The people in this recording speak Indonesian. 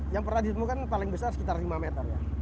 yang pertama ditemukan paling besar sekitar lima meter